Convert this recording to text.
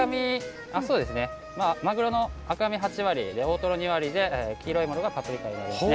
マグロの赤身８割大トロ２割で黄色いのがパプリカです。